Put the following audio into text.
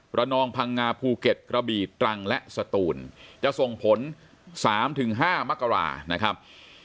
ระนองพังงาภูเก็ตกระบีตรังและสตูนจะส่งผล๓๕มกรานะครับ